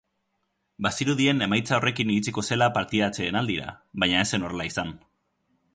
Bazirudien emaitza horrekin iritsiko zela partida atsedenaldira, baina ez zen horrela izan.